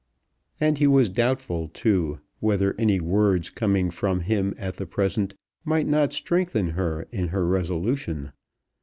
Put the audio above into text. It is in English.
And he was doubtful, too, whether any words coming from him at the present might not strengthen her in her resolution.